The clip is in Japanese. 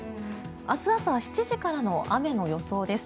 明日朝７時からの雨の予想です。